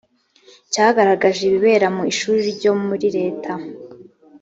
cyagaragaje ibibera mu ishuri ryo muri leta